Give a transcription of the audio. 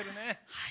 はい。